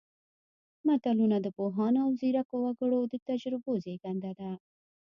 متلونه د پوهانو او ځیرکو وګړو د تجربو زېږنده ده